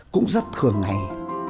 cũng rất thường ngày